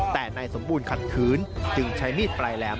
แต่นายสมบูรณขัดขืนจึงใช้มีดปลายแหลม